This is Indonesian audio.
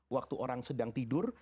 waktu orang sedang tidur